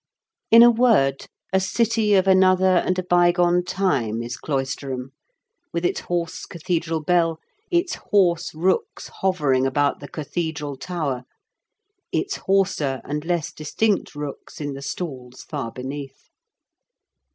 "In a word, a city of another and a bygone time is Cloisterham, with its hoarse cathedral bell, its hoarse rooks hovering about the cathedral tower, its hoarser and less distinct rooks in the stalls far beneath.